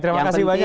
terima kasih banyak